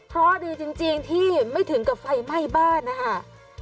เพราะดีจริงที่ไม่ถึงกับไฟไหม้บ้านนะคะ